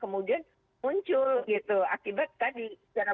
kemudian muncul gitu akibat tadi jangan